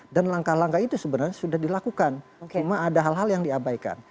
dan langkah langkah itu sebenarnya sudah dilakukan cuma ada hal hal yang diabaikan